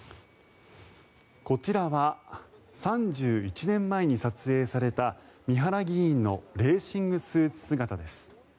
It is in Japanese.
こちらは３１年前に撮影された三原議員のレーシングスーツ姿です。